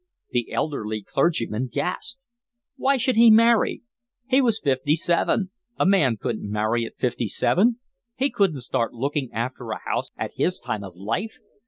The elderly clergyman gasped. Why should he marry? He was fifty seven, a man couldn't marry at fifty seven. He couldn't start looking after a house at his time of life.